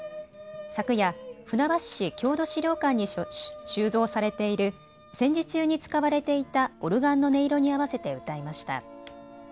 昨夜、船橋市郷土資料館に収蔵されている戦時中に使われていたオルガンの音色に合わせて歌いました。